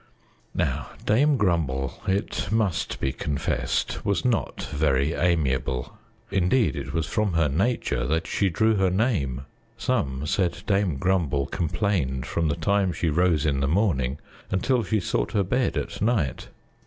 Now Dame Grumble, it must be confessed, was not very amiable. Indeed, it was from her nature that she drew her name. Some said Dame Grumble complained from the time she rose in the morning until she sought her bed at night.